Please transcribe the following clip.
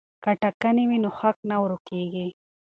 که ټاکنې وي نو حق نه ورک کیږي.